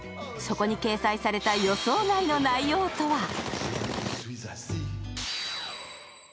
そこに掲載された予想外の内容とは？